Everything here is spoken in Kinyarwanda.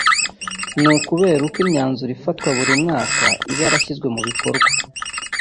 ni ukureba uko imyanzuro ifatwa buri mwaka iba yarashyizwe mu bikorwa